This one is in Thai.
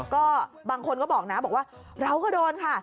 ก็บางคนก็บอกนะบอกว่าเราก็โดนค่ะ